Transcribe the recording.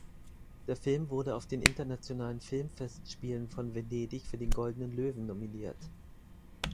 Der Film wurde auf den Internationalen Filmfestspielen von Venedig für den Goldenen Löwen nominiert.